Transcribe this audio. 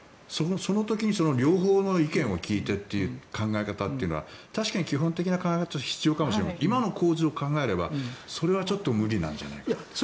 その時に両方の意見を聞いてという考え方というのは確かに基本的な考え方として必要かもしれませんが今の構図を考えればそれはちょっと無理なんじゃないかな。